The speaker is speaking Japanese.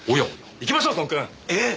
行きましょうソンくん！えっ！